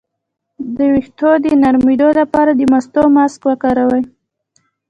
د ویښتو د نرمیدو لپاره د مستو ماسک وکاروئ